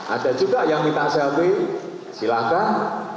ada juga yang minta selfie silahkan